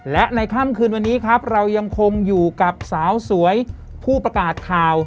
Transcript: และในค่ำคืนวันนี้ครับเรายังคงอยู่กับสาวสวยผู้ประกาศข่าว